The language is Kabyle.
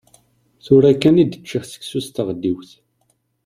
Tura kan i d-ččiɣ seksu s tɣeddiwt.